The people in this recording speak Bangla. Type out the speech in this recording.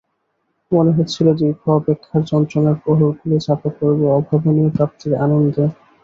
মনে হচ্ছিল, দীর্ঘ অপেক্ষার যন্ত্রণার প্রহরগুলো চাপা পড়বে অভাবনীয় প্রাপ্তির আনন্দে।